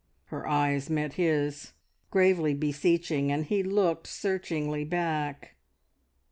Her eyes met his, gravely beseeching, and he looked searchingly back.